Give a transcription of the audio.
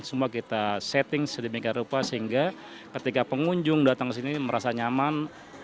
semua kita setting sedemikian rupa sehingga ketika pengunjung datang ke sini merasa nyaman